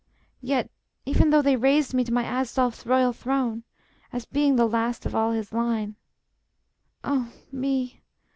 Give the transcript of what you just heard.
Yet, even though They raised me to my Asdolf's royal throne, As being the last of all his line, ah me!